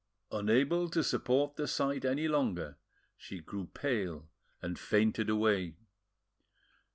Unable to support the sight any longer, she grew pale and fainted away.